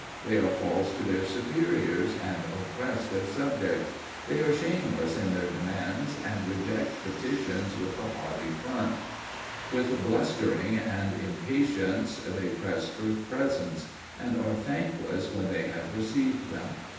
They are false to their superiors, and oppress their subjects. They are shameless in their demands, and reject petitions with a haughty front. With blustering and impatience they press for presents, and are thankless when they have received them.